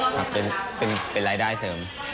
ครับเป็นรายได้เสริม